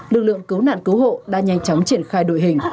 lực lượng cứu nạn cứu hộ đã nhanh chóng triển khai đội hình